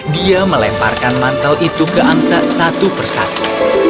dia melemparkan mantel itu ke angsa satu persatu